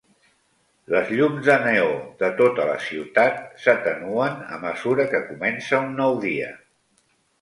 Les llums de neó de tota la ciutat s'atenuen a mesura que comença un nou dia.